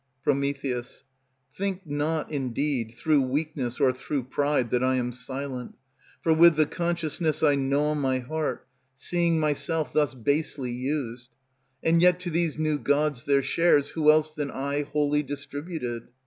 Pr. Think not, indeed, through weakness or through pride That I am silent; for with the consciousness I gnaw my heart, Seeing myself thus basely used. And yet to these new gods their shares Who else than I wholly distributed?